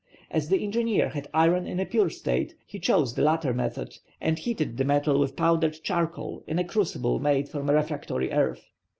As the engineer had iron in a pure state, he chose the latter method, and heated the metal with powdered charcoal in a crucible made from refractory earth.